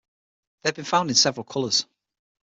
They have been found in several colors.